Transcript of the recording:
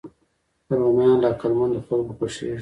رومیان له عقلمندو خلکو خوښېږي